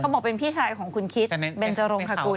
บอกเป็นพี่ชายของคุณคิดเบนจรงคกุล